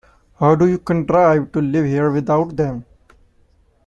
How do you contrive to live here without them?